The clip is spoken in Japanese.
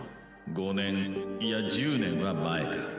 ５年いや１０年は前か。